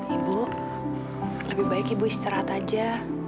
ibu lebih baik ibu istirahat aja